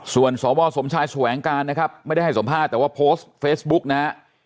ส่วนสวสมชายแสวงการนะครับไม่ได้ให้สัมภาษณ์แต่ว่าโพสต์เฟซบุ๊กนะฮะ